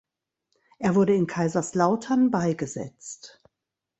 Er wurde in Kaiserslautern beigesetzt.